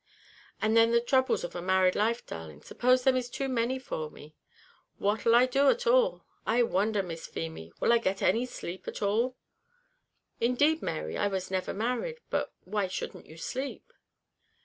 "And then the throubles of a married life, darling, supposing them is too many for me, what'll I do at all? I wonder, Miss Feemy, will I get any sleep at all?" "Indeed, Mary, I was never married; but why shouldn't you sleep?"